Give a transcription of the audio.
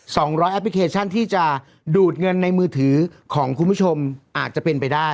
สองร้อยแอปพลิเคชันที่จะดูดเงินในมือถือของคุณผู้ชมอาจจะเป็นไปได้